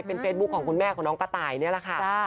เป็นเฟซบุ๊คของคุณแม่ของน้องกระต่ายนี่แหละค่ะ